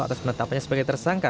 atas penetapannya sebagai tersangka